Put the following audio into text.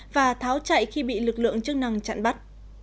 và tháo chạy khi bị lực lượng chức năng chặn bắt